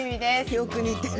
よく似てる。